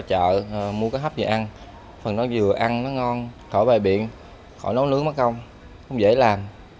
chợ mua cái hấp gì ăn phần nó vừa ăn nó ngon khỏi bài biển khỏi nấu nướng mất không không dễ làm